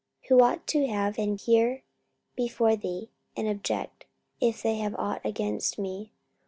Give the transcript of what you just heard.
44:024:019 Who ought to have been here before thee, and object, if they had ought against me.